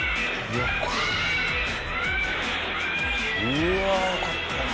うわあよかったね。